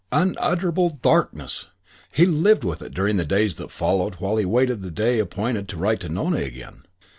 VIII Unutterable darkness! He lived within it during the days that followed while he awaited the day appointed to write to Nona again.